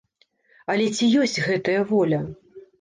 Але ці ёсць гэтая воля?